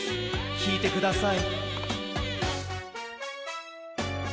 きいてください。